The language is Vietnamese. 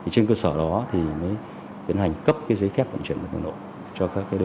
trên cơ sở đó thì mới tiến hành cấp cái giấy phép vận chuyển vật lộ cho các đơn vị